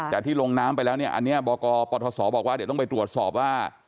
แต่ที่ลงน้ำไปแล้วเนี่ยอันเนี่ยบอกว่าต้องไปตรวจสอบว่า